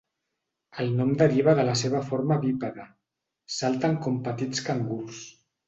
El nom deriva de la seva forma bípeda: salten com petits cangurs.